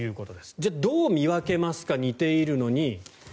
じゃあどう見分けますか似ているのに。